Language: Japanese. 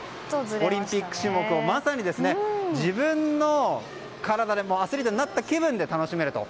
オリンピック種目をまさに自分の体でアスリートになった気分で楽しめると。